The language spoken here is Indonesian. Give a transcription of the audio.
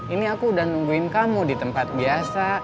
ini aku udah nungguin kamu di tempat biasa